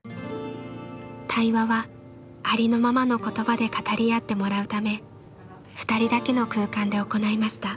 対話はありのままの言葉で語り合ってもらうため２人だけの空間で行いました。